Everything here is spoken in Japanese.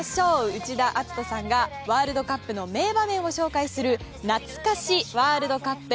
内田篤人さんがワールドカップの名場面を紹介するなつか史ワールドカップ。